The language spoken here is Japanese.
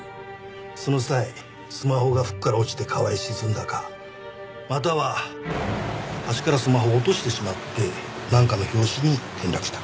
その際スマホが服から落ちて川へ沈んだかまたは橋からスマホを落としてしまってなんかの拍子に転落した。